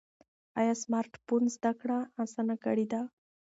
ایا سمارټ فون زده کړه اسانه کړې ده؟